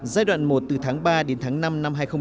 giai đoạn một từ tháng ba đến tháng năm năm hai nghìn một mươi bảy